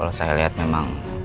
kalau saya lihat memang